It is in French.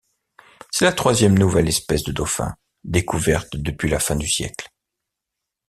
C'est la troisième nouvelle espèce de dauphin découverte depuis la fin du siècle.